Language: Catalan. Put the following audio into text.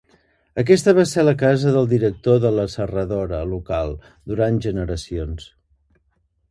Aquesta va ser la casa del director de la serradora local durant generacions.